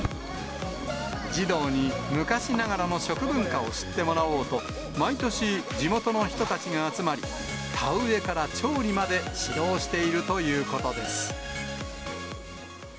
児童に昔ながらの食文化を知ってもらおうと、毎年、地元の人たちが集まり、田植えから調理まで指導しているということです。